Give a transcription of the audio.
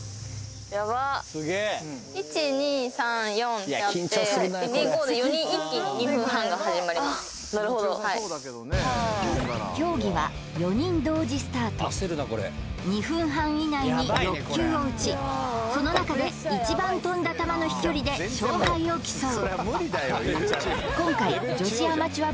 ヤバッ競技は４人同時スタート２分半以内に６球を打ちその中で一番飛んだ球の飛距離で勝敗を競う